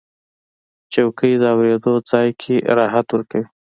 چوکۍ د اورېدو ځای کې راحت ورکوي.